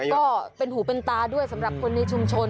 ก็เป็นหูเป็นตาด้วยสำหรับคนในชุมชน